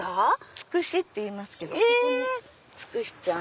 つくしっていいますけどここに「つくしちゃん」。